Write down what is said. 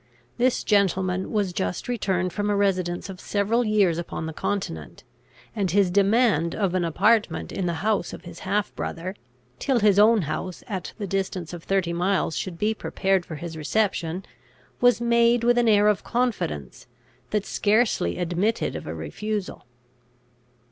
This gentleman was just returned from a residence of several years upon the continent; and his demand of an apartment in the house of his half brother, till his own house at the distance of thirty miles should be prepared for his reception, was made with an air of confidence that scarcely admitted of a refusal.